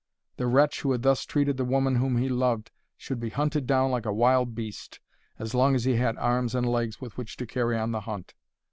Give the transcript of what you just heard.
The wretch who had thus treated the woman whom he loved should be hunted down like a wild beast, as long as he had arms and legs with which to carry on the hunt.